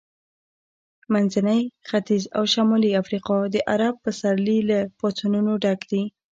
منځنی ختیځ او شمالي افریقا د عرب پسرلي له پاڅونونو ډک دي.